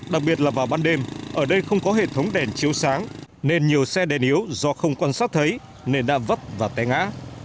đặc biệt là vào ban đêm ở đây không có hệ thống đèn chiếu sáng nên nhiều xe đèn yếu do không quan sát thấy nên đã vấp và té ngã